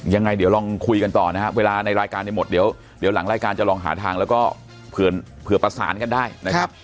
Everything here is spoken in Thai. ยังไงเดี๋ยวลองคุยกันต่อนะครับเวลาในรายการเนี่ยหมดเดี๋ยวหลังรายการจะลองหาทางแล้วก็เผื่อประสานกันได้นะครับ